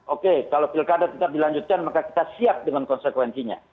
oke kalau pilkada tetap dilanjutkan maka kita siap dengan konsekuensinya